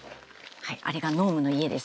あれがノームの家です。